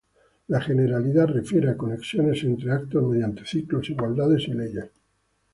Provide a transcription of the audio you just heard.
La generalidad refiere a conexiones entre eventos mediante ciclos, igualdades y leyes.